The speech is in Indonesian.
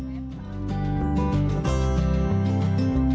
pemukiman padat sampah dan ketersediaan air bersih